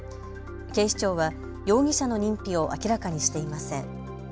警視庁は容疑者の認否を明らかにしていません。